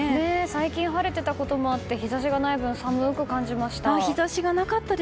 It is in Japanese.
最近晴れていたこともあって日差しがない分寒く感じました。